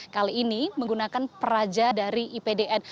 kali ini menggunakan peraja dari ipdn